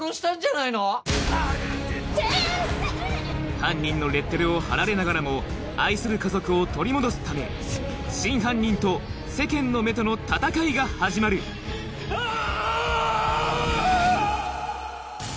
犯人のレッテルを貼られながらも愛する家族を取り戻すため真犯人と世間の目との戦いが始まるうわぁ‼